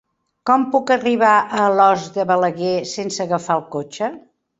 Com puc arribar a Alòs de Balaguer sense agafar el cotxe?